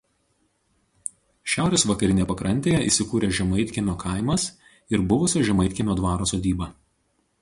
Šiaurės vakarinėje pakrantėje įsikūręs Žemaitkiemio kaimas ir buvusio Žemaitkiemio dvaro sodyba.